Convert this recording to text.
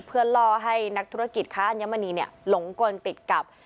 เพื่อล่อให้นักธุรกิจค้าอัญมณีหลงกลติดกับ